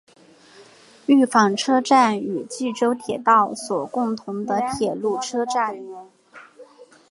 御坊车站与纪州铁道所共用的铁路车站。